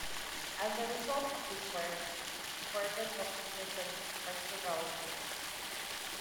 As a result of this work, Bourbon was imprisoned for several years.